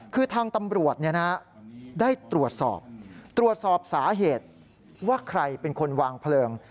คือทางตำรวจได้ตรวจสอบตรวจสอบสาเหตุว่าใครเป็นคนวางเพลิง